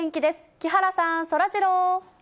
木原さん、そらジロー。